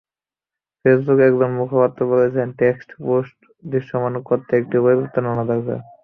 ফেসবুকের একজন মুখপাত্র বলেছেন, টেক্সট পোস্ট আরও দৃশ্যমান করতে একটি পরিবর্তন আনা হচ্ছে।